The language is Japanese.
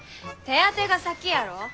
手当てが先やろ？